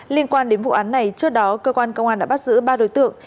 liên quan đến vụ án này trước đó cơ quan công an đã bắt giữ ba đối tượng